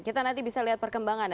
jadi bisa lihat perkembangan